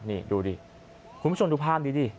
นี่ดูดิคุณผู้ชมดูภาพนี้ดิ